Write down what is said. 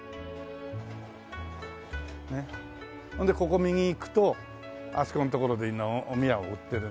ほんでここ右行くとあそこの所でおみやを売ってるんですよ。